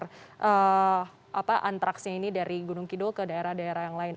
tidak karena ini adalah perkembangan antraksinya dari gunung kidul ke daerah daerah yang lain